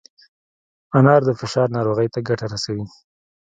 انار د فشار ناروغۍ ته ګټه رسوي.